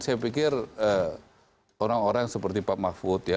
saya pikir orang orang seperti pak mahfud ya